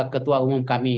ketua umum kami